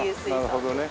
なるほどね。